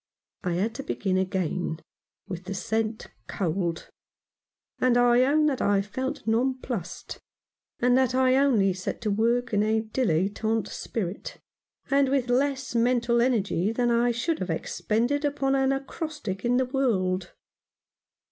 I had to begin again with the scent cold ; and I own that I felt nonplussed, and that I only set to work in a dilettante spirit, and with less mental energy than I should have expended upon an acrostic in the World.